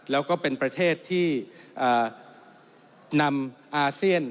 แล้วก็เป็นประเทศที่นำอาเซียน